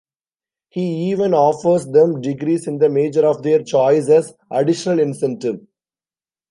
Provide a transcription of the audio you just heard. He even offers them degrees in the major of their choice as additional incentive.